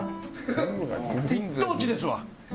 一等地ですわ。